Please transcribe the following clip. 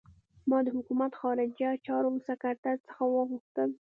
ما د حکومت خارجه چارو سکرټر څخه وغوښتل.